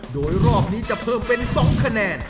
โดยรอบนี้จะเพิ่มเป็น๒คะแนน